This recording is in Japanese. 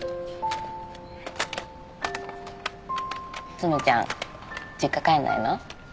つむちゃん実家帰んないの？